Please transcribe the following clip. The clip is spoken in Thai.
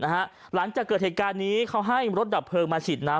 หลังจากเกิดเหตุการณ์นี้เขาให้รถดับเพลิงมาฉีดน้ำ